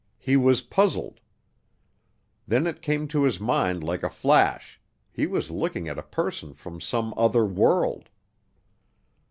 He was puzzled. Then it came into his mind like a flash, he was looking at a person from some other world!